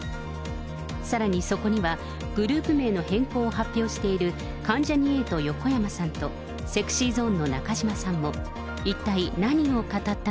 さらにそこにはグループ名の変更を発表している、関ジャニ∞・横山さんと、ＳｅｘｙＺｏｎｅの中島さんも。